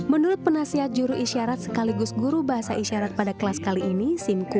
menurut penasihat juru isyarat sekaligus guru bahasa isyarat pada kelas kali ini